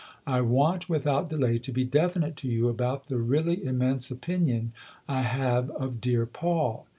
I want, without delay, to be definite to you about the really immense opinion I have of dear Paul.